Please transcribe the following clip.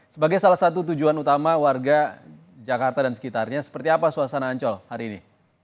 sebagai salah satu tujuan utama warga jakarta dan sekitarnya seperti apa suasana ancol hari ini